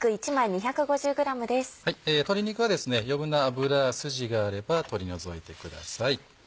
鶏肉は余分な脂筋があれば取り除いてください。